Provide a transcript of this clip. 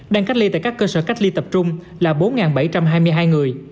đang cách ly tại các cơ sở cách ly tập trung là bốn bảy trăm hai mươi hai người